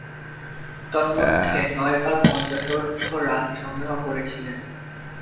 তন্মধ্যে নয়বার পঞ্চাশোর্ধ্ব রান সংগ্রহ করেছিলেন।